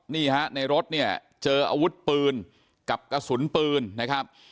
นี่ฮะในรถเนี่ยเจออาวุธปืนกับกระสุนปืนนะครับ